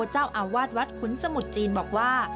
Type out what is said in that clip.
เจ้าอาวาสวัดขุนสมุทรจีนบอกว่า